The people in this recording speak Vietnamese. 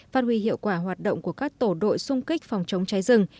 phát huy hiệu quả hoạt động của các tổ đội xung kích phòng chống cháy rừng